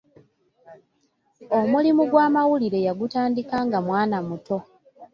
Omulimu gw’amawulire yagutandika nga mwana muto.